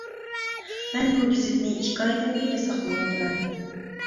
مەن بۇ گېزىتنى ئىككى ئايدىن بېرى ساقلاۋاتىمەن.